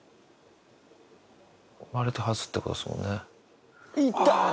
生まれて初ってことですもんね。